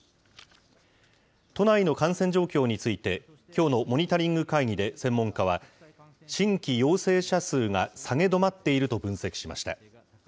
都内の感染状況について、きょうのモニタリング会議で専門家は、新規陽性者数が下げ止まっていると分析しました。